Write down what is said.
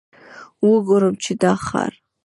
وګورم چې دا ښار.